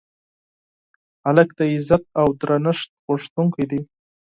هلک د عزت او درنښت غوښتونکی دی.